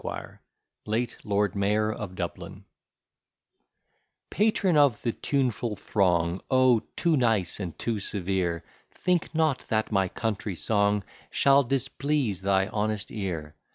LATE LORD MAYOR OF DUBLIN PATRON of the tuneful throng, O! too nice, and too severe! Think not, that my country song Shall displease thy honest ear.